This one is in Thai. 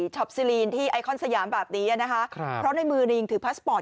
ช็อปซีลีนที่ไอคอนสยามแบบนี้นะคะเพราะในมือยังถือพาสปอร์ต